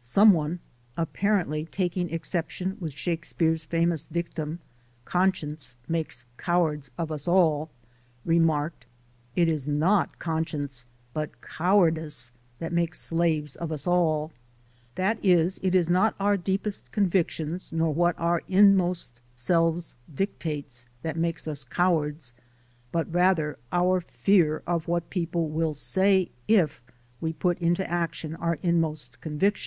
Some one, apparently taking excep tion with Shakespeare's famous dictum, "Conscience makes cowards of us all," remarked, "It is not conscience, but cowardice that makes slaves of us all." That is, it is not our deepest convictions nor what our inmost selves dictates that makes us cow ards, but rather our fear of what people will say if we put into action our inmost convictions.